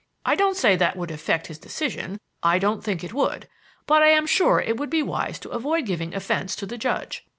I don't say that would affect his decision I don't think it would but I am sure it would be wise to avoid giving offense to the judge.